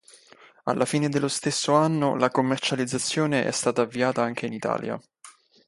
Alla fine dello stesso anno, la commercializzazione è stata avviata anche in Italia.